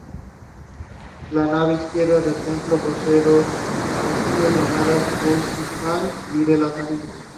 La nave izquierda del templo posee dos capillas, llamadas Bautismal y de las Ánimas.